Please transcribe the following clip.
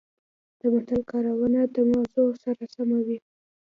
د متل کارونه د موضوع سره سمه وي